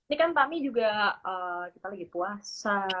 ini kan tam nih juga kita lagi puasa